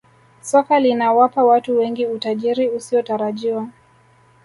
Soka linawapa watu wengi utajiri usiotarajiwa